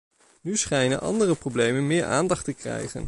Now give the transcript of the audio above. Nu schijnen andere problemen meer aandacht te krijgen.